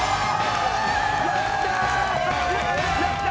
やったー！